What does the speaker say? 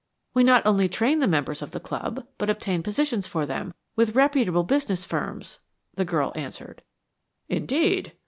"We not only train the members of the club, but obtain positions for them, with reputable business firms," the girl answered. "Indeed?"